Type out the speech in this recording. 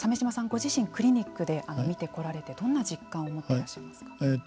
ご自身クリニックで診てこられてどんな実感を持っていらっしゃいますか。